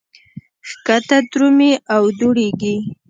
ښکته درومي او دوړېږي.